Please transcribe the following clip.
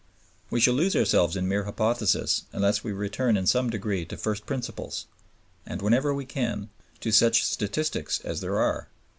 We shall lose ourselves in mere hypothesis unless we return in some degree to first principles, and, whenever we can, to such statistics as there are.